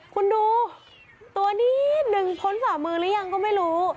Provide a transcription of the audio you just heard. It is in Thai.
คุณดูตัวนิดนึงพ้นฝ่ามือหรือยังก็ไม่รู้